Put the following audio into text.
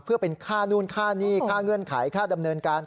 เพื่อเป็นค่านู่นค่าหนี้ค่าเงื่อนไขค่าดำเนินการ